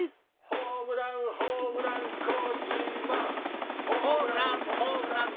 ホームランホームラン小島！